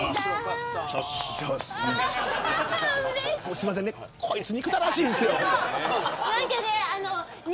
すいませんねこいつ憎たらしいんですよ。